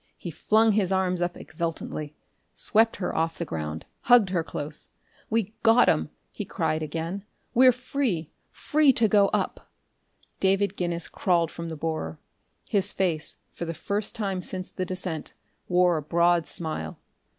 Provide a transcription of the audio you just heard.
He flung his arms up exultantly, swept her off the ground, hugged her close. "We got 'em!" he cried again. "We're free free to go up!" Professor David Guinness crawled from the borer. His face, for the first time since the descent, wore a broad smile.